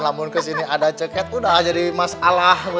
namun kesini ada ceket udah jadi masalah